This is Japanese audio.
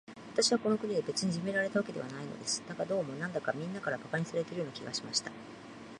私はこの国で、別にいじめられたわけではないのです。だが、どうも、なんだか、みんなから馬鹿にされているような気がしました。